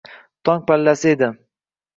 Tong pallasi edi